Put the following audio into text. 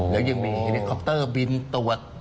แล้วยังมีอินเกอร์คอปเตอร์บินตรวจ